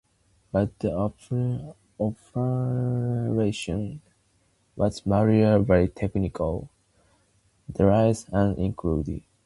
But the operation was marred by technical glitches, delays and incidents.